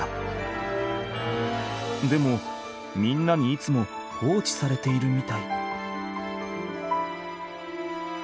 でもみんなにいつも放置されているみたい。